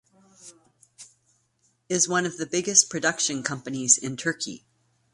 It is one of the biggest production companies in Turkey.